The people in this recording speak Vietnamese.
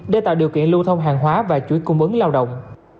để tạo điều kiện lưu thông hàng hóa và chuỗi cung ứng lao động